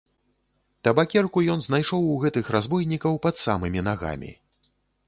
Табакерку ён знайшоў у гэтых разбойнікаў пад самымі нагамі.